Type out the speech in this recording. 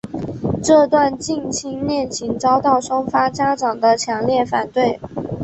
这段近亲恋情遭到双方家长的强烈反对。